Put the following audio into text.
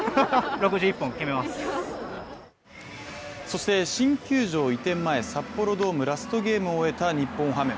そして、新球場移転前札幌ドームラストゲームを終えた日本ハム。